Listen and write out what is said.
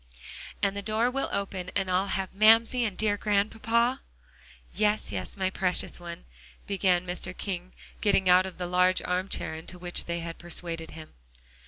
"And the door will open, and I'll have Mamsie and dear Grandpapa?" "Yes, yes, my precious one," began Mr. King, getting out of the large arm chair into which they had persuaded him.